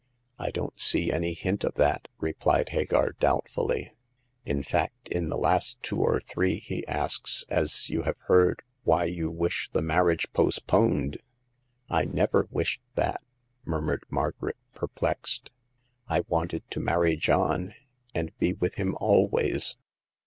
" I don't see any hint of that," replied Hagar, doubtfully ;" in fact, in the last two ot 1\\\^^ V^^ i7o Hagar of the Pawn Shop. asks, as you have heard, why you wish the mar riage postponed." I never wished that !" murmured Margaret, perplexed. " I wanted to marry John and be with him always.